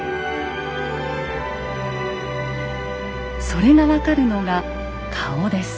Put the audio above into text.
それが分かるのが顔です。